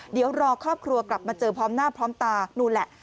เดี๋ยวรอครอบครัวกลับมาเจอพร้อมหน้าพร้อมตานู่นแหละ